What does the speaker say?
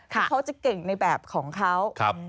ที่เขาจะเก่งในแบบของเขา